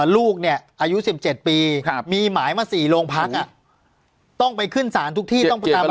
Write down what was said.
ลูกเนี่ยอายุ๑๗ปีมีหมายมา๔โรงพักต้องไปขึ้นศาลทุกที่ต้องไปตาม